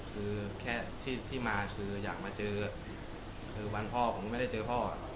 คือแค่ที่มาคืออยากมาเจอคือวันพ่อผมไม่ได้เจอพ่อ